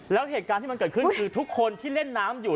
แล้วเหตุการณ์ที่มันเกิดขึ้นคือทุกคนที่เล่นน้ำอยู่